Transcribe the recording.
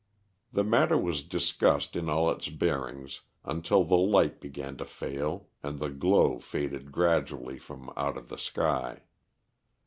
The matter was discussed in all its bearings until the light began to fail and the glow faded gradually from out of the sky.